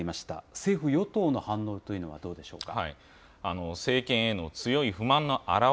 政府・与党の反応というのはどうでしょうか。